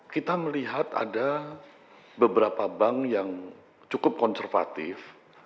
kita melihat ada beberapa bank yang cukup konservatif